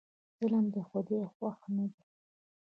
ظلم د خدای خوښ نه دی.